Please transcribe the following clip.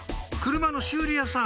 車の修理屋さん